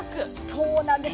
そうなんです。